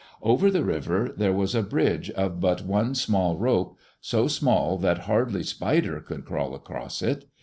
Over the river there was a bridge of but one small rope, so small that hardly Spider could crawl across it.